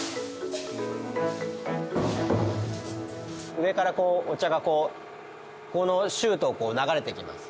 上からお茶がこうここのシュートを流れてきます。